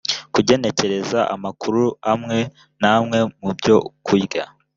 kugenekereza amakuru amwe n amwe mu byo kurya